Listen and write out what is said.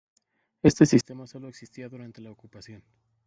Este sistema sólo existía durante la Ocupación.